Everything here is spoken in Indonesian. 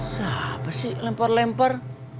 siapa sih lempar lempar